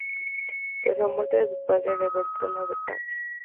Tras la muerte de su padre heredó el trono de Francia.